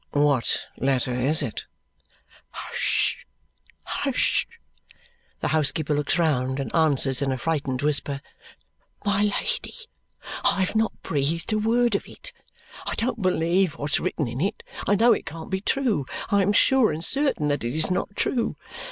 "What letter is it?" "Hush! Hush!" The housekeeper looks round and answers in a frightened whisper, "My Lady, I have not breathed a word of it, I don't believe what's written in it, I know it can't be true, I am sure and certain that it is not true.